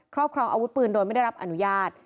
ครอบครองอาวุธปืนโดยไม่ได้รับอนุญาต